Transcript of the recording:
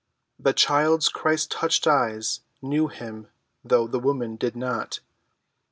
The child's Christ‐touched eyes knew him though the woman did not.